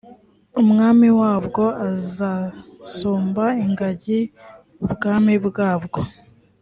umwami wabwo azasumba ingagi ubwami bwabwo